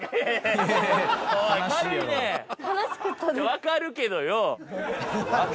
「わかるけどよ」